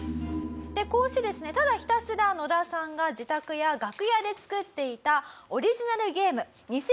こうしてですねただひたすら野田さんが自宅や楽屋で作っていたオリジナルゲーム